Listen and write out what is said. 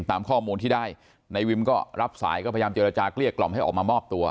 ตามข้อมูลที่ได้นายวิมก็รับสายก็พยายามเจรจาเกลี้ยกล่อมให้ออกมามอบตัว